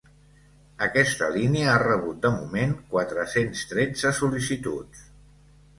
Aquesta línia ha rebut, de moment, quatre-cents tretze sol·licituds.